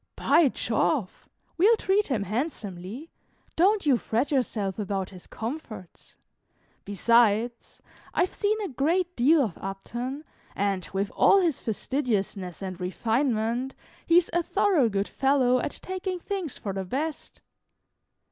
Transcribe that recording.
"By Jove! we 'll treat him handsomely. Don't you fret yourself about his comforts; besides, I 've seen a great deal of Upton, and, with all his fastidiousness and refinement, he's a thorough good fellow at taking things for the best.